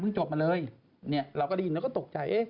เพิ่งจบมาเลยเราก็ได้ยินแล้วก็ตกใจ